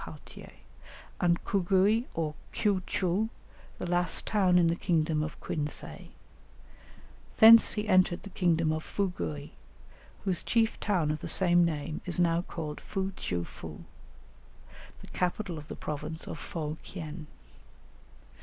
Pauthier), and Cugui or Kiou tcheou, the last town in the kingdom of Quinsay; thence he entered the kingdom of Fugui, whose chief town of the same name is now called Fou tcheou foo, the capital of the province of Fo kien.